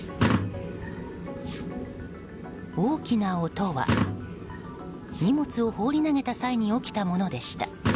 大きな音は荷物を放り投げた際に起きたものでした。